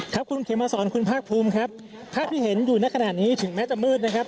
ครับคุณเขมมาสอนคุณภาคภูมิครับภาพที่เห็นอยู่ในขณะนี้ถึงแม้จะมืดนะครับ